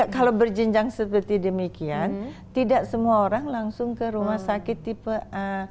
kalau berjenjang seperti demikian tidak semua orang langsung ke rumah sakit tipe a